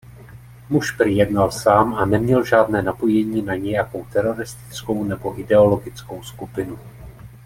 Muž prý jednal sám a neměl žádné napojení na nějakou teroristickou nebo ideologickou skupinu.